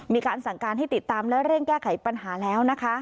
มีการสั่งการให้ติดตามและเร่งแก้ไขปัญหาแล้วนะคะ